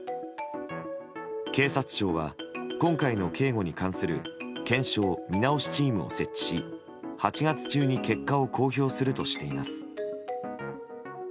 警察庁は今回の警護に関する検証・見直しチームを設置し８月中に結果を公表するとしています。